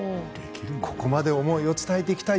ここまで思いを伝えていきたい。